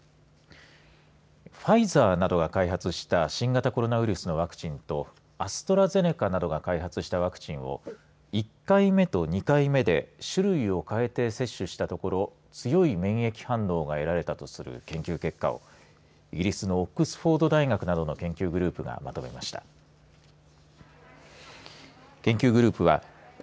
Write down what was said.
ファイザーなどが開発した新型コロナウイルスのワクチンとアストラゼネカなどが開発したワクチンを１回目と２回目で種類をかえて接種したところ強い免疫反応が得られたとする研究結果をイギリスのオックスフォード大学などの研究グループがまとめました。